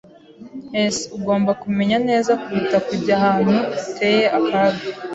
[S] Ugomba kumenya neza kuruta kujya ahantu hateye akaga.